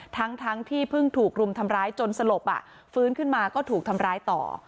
ทั้งที่เพิ่งถูกรุมทำร้ายจนสลบฟื้นขึ้นมาก็ถูกทำร้ายต่อ